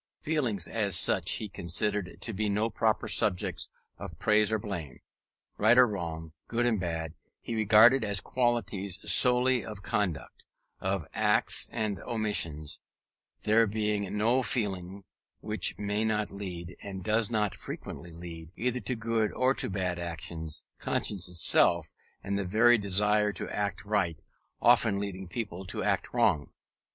Feelings, as such, he considered to be no proper subjects of praise or blame. Right and wrong, good and bad, he regarded as qualities solely of conduct of acts and omissions; there being no feeling which may not lead, and does not frequently lead, either to good or to bad actions: conscience itself, the very desire to act right, often leading people to act wrong.